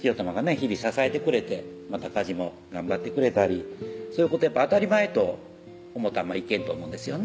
日々支えてくれてまた家事も頑張ってくれたりそういうこと当たり前と思ったらいけんと思うんですよね